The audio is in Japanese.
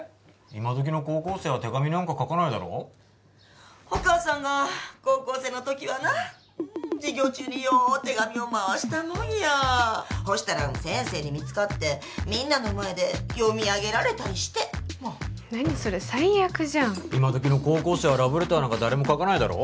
今どきの高校生は手紙なんか書かないだろお母さんが高校生の時はな授業中によう手紙を回したもんやほしたら先生に見つかってみんなの前で読み上げられたりして何それ最悪じゃん今どきの高校生はラブレターなんか誰も書かないだろ？